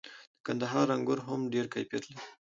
د کندهار انګور هم ډیر کیفیت لري.